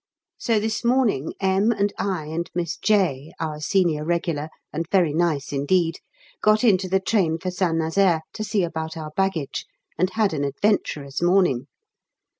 So this morning M. and I and Miss J , our Senior Regular, and very nice indeed, got into the train for St Nazaire to see about our baggage, and had an adventurous morning.